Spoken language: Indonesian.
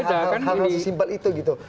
misalnya hal hal sesimpel itu gitu